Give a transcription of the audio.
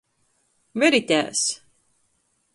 Veritēs!